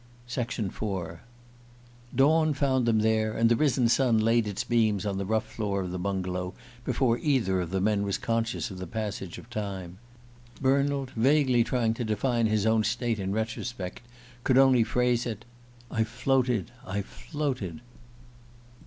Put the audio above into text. IV DAWN found them there, and the risen sun laid its beams on the rough floor of the bungalow, before either of the men was conscious of the passage of time. Bernald, vaguely trying to define his own state in retrospect, could only phrase it: "I floated ... floated.